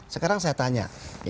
sekarang saya tanya